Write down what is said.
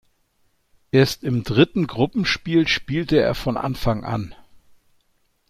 Erst im dritten Gruppenspiel spielte er von Anfang an.